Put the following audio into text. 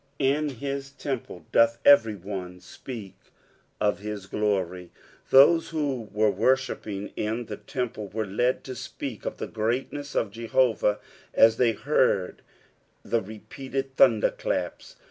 " In hi* temple doth etery one tpeai of hU glarp." Those who were worship ping in the temple, were led to spesk of the greatness of Jehovah as they heard the repeated thunder claps.